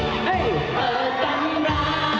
เปิดตำรา